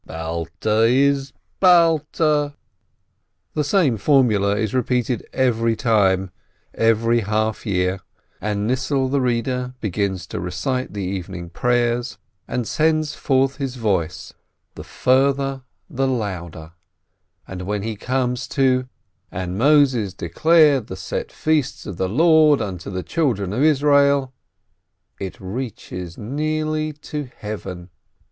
—" Balta is Balta." The same formula is repeated every time, every half year, and Nissel the reader begins to recite the evening prayers, and sends forth his voice, the further the FISHEL THE TEACHER 127 louder, and when he comes to "And Moses declared the set feasts of the Lord unto the children of Israel," it reaches nearly to Heaven.